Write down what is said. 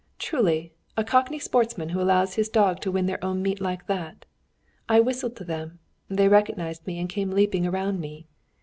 Truly, a Cockney sportsman who allows his dogs to win their own meat like that! I whistled to them, they recognised me and came leaping around me.